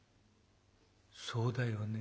「そうだよね。